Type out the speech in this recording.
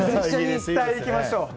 絶対行きましょう！